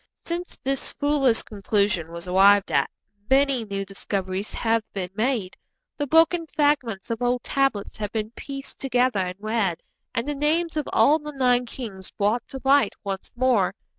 Since this foolish conclusion was arrived at many new discoveries have been made, the broken fragments of old tablets have been pieced together and read, and the names of all the nine kings brought to light once more.